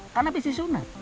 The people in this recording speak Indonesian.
kan abis disunat